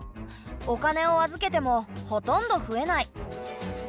お金を預けてもほとんど増えない。